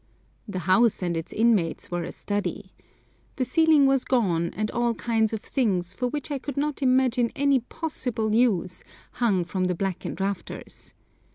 The house and its inmates were a study. The ceiling was gone, and all kinds of things, for which I could not imagine any possible use, hung from the blackened rafters.